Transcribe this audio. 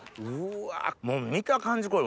うわもう見た感じ